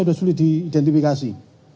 sudah sulit diidentifikasi